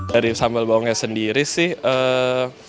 dari sambal bawangnya sendiri sih